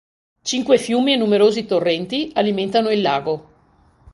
Cinque fiumi e numerosi torrenti alimentano il lago.